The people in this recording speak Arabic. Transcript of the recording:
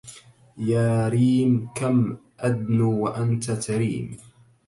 يا ريم كم أدنو وأنت تريم